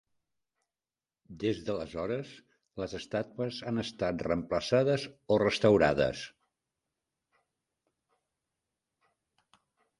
Des d'aleshores les estàtues han estat reemplaçades o restaurades.